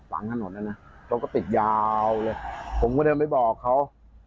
หลังถนนนะนะรถก็ติดยาวเลยผมก็เดินไปบอกเขา